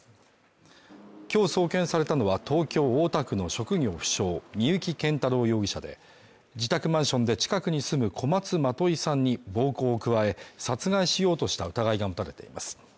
今日送検されたのは東京大田区の職業不詳、三幸謙太郎容疑者で、自宅マンションで近くに住む小松まといさんに暴行を加え殺害しようとした疑いが持たれています。